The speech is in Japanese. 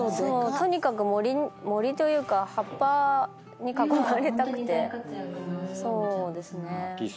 とにかく森というか葉っぱに囲まれたくて。